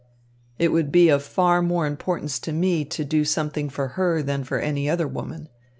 "It would be of far more importance to me to do something for her than for any other woman.